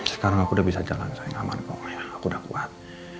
sekarang aku udah bisa jalan jalan aman pokoknya aku udah kuat